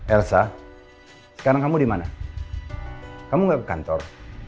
elsa sekarang kamu dimana kamu gak ke kantor